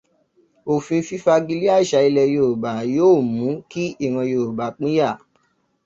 Òfín fifágilé àsà ilẹ̀ Yorùbá yóò mú kí ìran Yorùbá pínyà.